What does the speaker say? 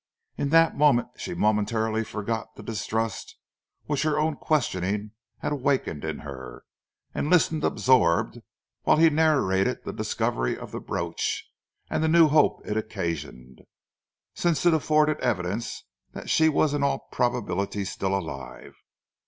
In that moment she momentarily forgot the distrust which her own questioning had awakened in her, and listened absorbed whilst he narrated the discovery of the brooch, and the new hope it occasioned, since it afforded evidence that she was in all probability still alive.